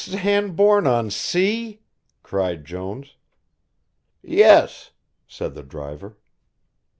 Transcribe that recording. "Sandbourne on Sea?" cried Jones. "Yes," said the driver.